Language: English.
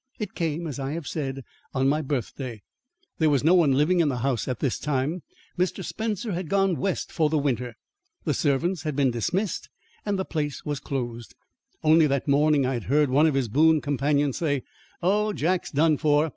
It came, as I have said, on my birthday. There was no one living in the house at this time. Mr. Spencer had gone West for the winter. The servants had been dismissed, and the place closed. Only that morning I had heard one of his boon companions say, "Oh, Jack's done for.